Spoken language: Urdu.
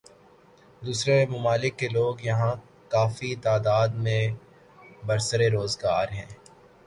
دوسرے ممالک کے لوگ یہاں کافی تعداد میں برسر روزگار ہیں